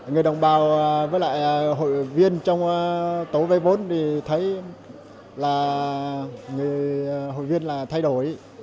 người đồng bào với lại hội viên trong tổ vay vốn thì thấy là hội viên là thay đổi